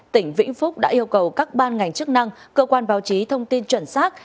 tỉnh vĩnh phúc đã yêu cầu các ban ngành chức năng cơ quan báo chí thông tin chuẩn xác